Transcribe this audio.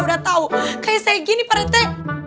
udah tau kayak saya gini pak rete